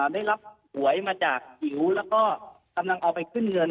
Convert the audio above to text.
ได้รับหวยมาจากหิวแล้วก็กำลังเอาไปขึ้นเงิน